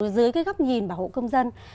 dưới góc nhìn bảo hộ công dân